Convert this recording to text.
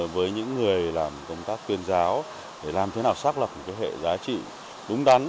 với những người làm công tác tuyên giáo để làm thế nào xác lập một hệ giá trị đúng đắn